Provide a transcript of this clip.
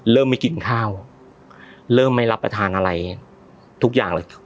ไม่กินข้าวเริ่มไม่รับประทานอะไรทุกอย่างเลย